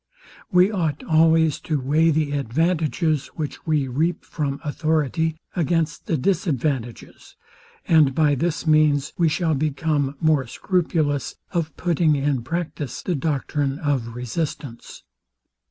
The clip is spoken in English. We ought always to weigh the advantages, which we reap from authority, against the disadvantages; and by this means we shall become more scrupulous of putting in practice the doctrine of resistance.